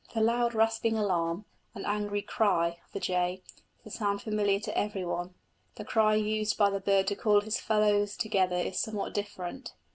The loud rasping alarm and angry cry of the jay is a sound familiar to every one; the cry used by the bird to call his fellows together is somewhat different.